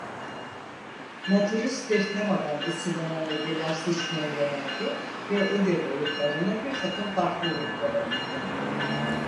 Natürist bir temadan esinlenen ögeler seçmeye yöneldi ve öge boyutlarında bir takım farklılıklara gitti.